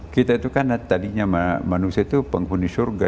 kita itu kan tadinya manusia itu penghuni surga